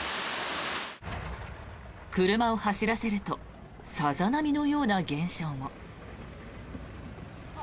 車を走らせるとさざ波のような現象も。